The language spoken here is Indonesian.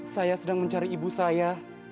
saya sedang mencari ibu saya